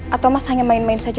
atau mas hanya main main saja